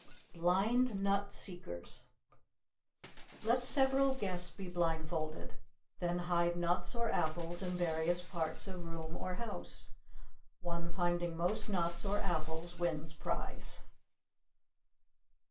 BLIND NUT SEEKERS Let several guests be blindfolded. Then hide nuts or apples in various parts of room or house. One finding most nuts or apples wins prize.